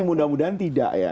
mudah mudahan tidak ya